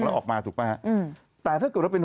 แล้วออกมาถูกป่ะฮะอืมแต่ถ้าเกิดว่าเป็น